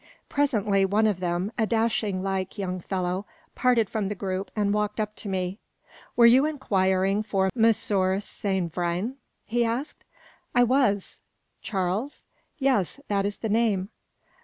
Presently, one of them, a dashing like young fellow, parted from the group, and walked up to me. "Were you inquiring for Monsieur Saint Vrain?" he asked. "I was." "Charles?" "Yes, that is the name."